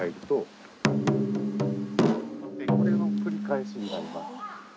これの繰り返しになります。